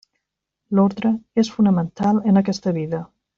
L'ordre és fonamental en aquesta vida.